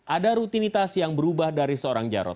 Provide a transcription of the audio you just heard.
ada rutinitas yang berubah dari seorang jarod